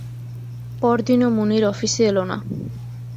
পরদিনও মুনির অফিসে এল না।